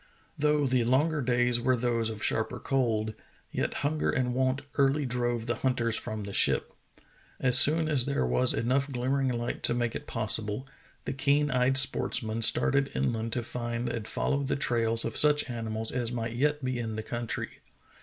Though the longer days were those of sharper cold, yet hunger and want early drove the hunters from the ship. As soon as there was enough glimmering light to make it possible, the keen eyed sportsmen started inland to find and follow the trails of such animals as might yet be in the country.